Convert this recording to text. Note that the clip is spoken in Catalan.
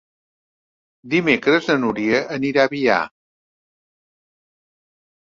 Dimecres na Dúnia anirà a Biar.